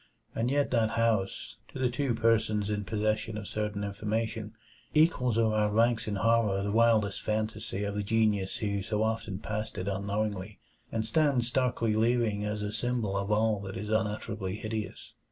And yet that house, to the two persons in possession of certain information, equals or outranks in horror the wildest fantasy of the genius who so often passed it unknowingly, and stands starkly leering as a symbol of all that is unutterably hideous.